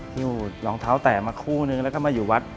หิ้วรองเท้าแตกมาคู่นึงแล้วก็มาอยู่วัด